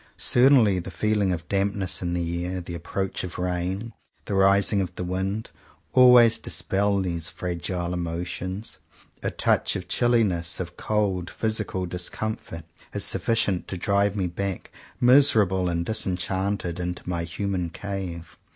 Certainly the feeling of dampness in the air — the approach of rain, the rising of the wind — always dispel these fragile emotions. A touch of chilliness, of cold physical discomfort, is sufficient to drive me back, miserable and disenchanted, into my human cave.